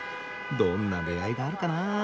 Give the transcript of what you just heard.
どんな出会いがあるかな？